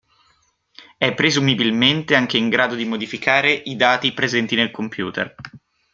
È presumibilmente anche in grado di modificare i dati presenti nel computer.